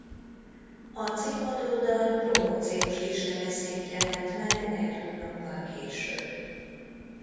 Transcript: A címadó dal promóciós kislemezként jelent meg egy hónappal később.